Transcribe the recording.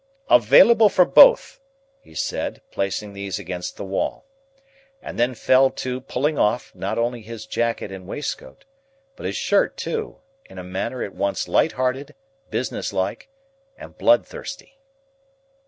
"Available for both," he said, placing these against the wall. And then fell to pulling off, not only his jacket and waistcoat, but his shirt too, in a manner at once light hearted, business like, and bloodthirsty.